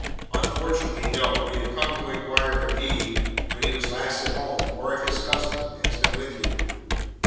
"Unfortunately, no. We have come to inquire if he when he was last at home or if his cousin has been with you?"